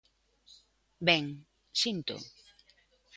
Ben, síntoo.